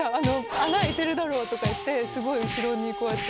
「穴開いてるだろ！」とか言ってスゴい後ろにこうやって。